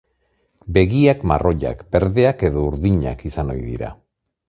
Begiak marroiak, berdeak edo urdinak izan ohi dira.